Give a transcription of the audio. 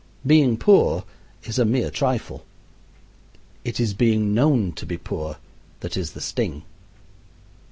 Being poor is a mere trifle. It is being known to be poor that is the sting.